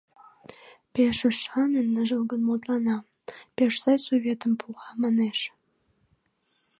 Пеш ӱшанын, ныжылгын мутлана, пеш сай советым пуа, манеш.